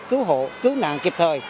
cứu hộ cứu nạn kịp thời